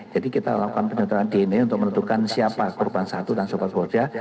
jadi kita lakukan pencocokan dna untuk menentukan siapa korban satu dan sobat keluarga